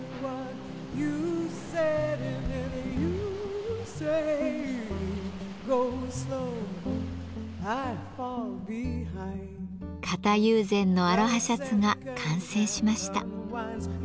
型友禅のアロハシャツが完成しました。